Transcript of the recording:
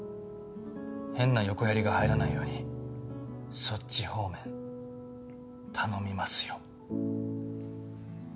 変な横やりが入らないようにそっち方面頼みますよ。